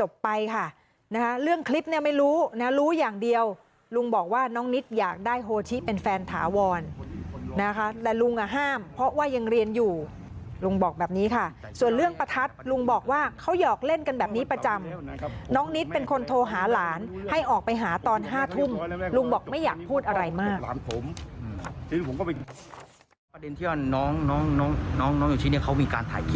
จบไปค่ะนะคะเรื่องคลิปเนี่ยไม่รู้นะรู้อย่างเดียวลุงบอกว่าน้องนิดอยากได้โฮชิเป็นแฟนถาวรนะคะแต่ลุงอ่ะห้ามเพราะว่ายังเรียนอยู่ลุงบอกแบบนี้ค่ะส่วนเรื่องประทัดลุงบอกว่าเขาหยอกเล่นกันแบบนี้ประจำน้องนิดเป็นคนโทรหาหลานให้ออกไปหาตอน๕ทุ่มลุงบอกไม่อยากพูดอะไรมาก